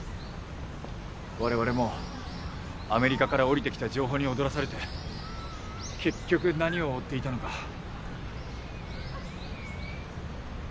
我々もアメリカから下りてきた情報に踊らされて結局何を追っていたのか。